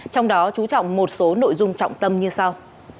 trong đó chú trọng một số nội dung trọng tâm như sau